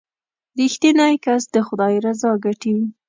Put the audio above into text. • رښتینی کس د خدای رضا ګټي.